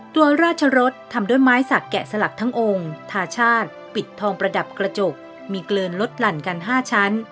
โดยราชรสทำด้วยไม้สักแกะสลักทั้งองค์ทาชาติปิดทองประดับกระจกมีเกลินลดหลั่นกัน๕ชั้น